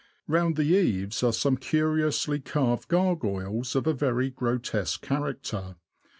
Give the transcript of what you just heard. Round the eaves are some curiously carved gargoyles, of a very grotesque character.